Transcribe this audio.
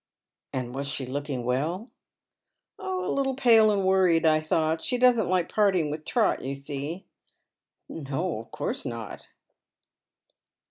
"And was she looking well ?"" A little pale and worried, I thought. She doesn't like paiiing with Trot, you see." " No, of course not."